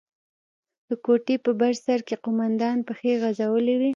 د کوټې په بر سر کښې قومندان پښې غځولې وې.